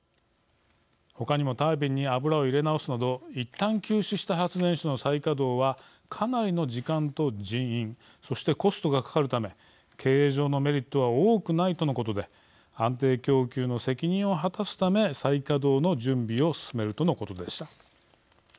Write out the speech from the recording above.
ほかにもタービンに油を入れ直すなどいったん休止した発電所の再稼働は、かなりの時間と人員そしてコストがかかるため経営上のメリットは多くないとのことで安定供給の責任を果たすため再稼働の準備を進めるとのことでした。